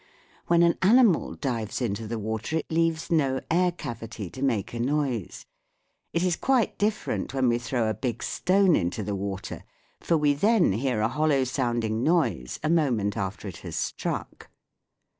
When an animal dives into the water it leaves no air cavity to make a no'ise ; it is quite different when we throw a big stone into the water, for we then hear a hollow sounding noise a moment after it has struck.